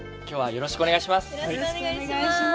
よろしくお願いします。